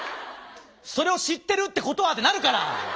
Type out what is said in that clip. それを知ってるってことはってなるから！